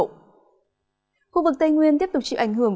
khu vực tây nguyên tiếp tục chịu ảnh hưởng